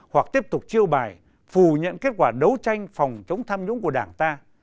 hoặc tiếp tục chiêu bài phù nhận kết quả đấu tranh phòng chống tham nhũng của đảng ta